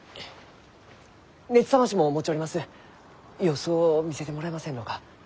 様子を見せてもらえませんろうか？